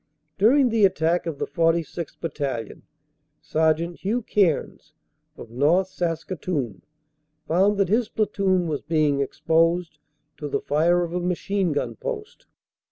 During the attack of the 46th. Battalion, Sergt. Hugh Cairns, of North Saskatoon, found that his platoon was being exposed to the fire of a machine gun post.